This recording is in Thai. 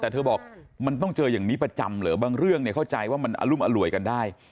แต่เธอบอกมันต้องเจออย่างนี้ประจำเหรอบางเรื่องเนี่ยเข้าใจว่ามันอรุมอร่วยกันได้